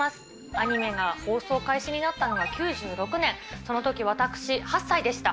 アニメが放送開始になったのが９６年、そのとき私、８歳でした。